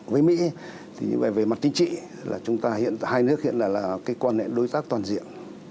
với mỹ về mặt chính trị hai nước hiện là quan hệ đối tác toàn diện